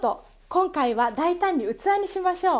今回は大胆に器にしましょう。